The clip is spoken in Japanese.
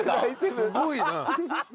すごいな。